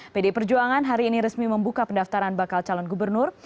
pdi perjuangan hari ini resmi membuka pendaftaran bakal calon gubernur